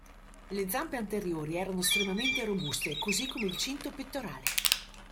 Le zampe anteriori erano estremamente robuste, così come il cinto pettorale.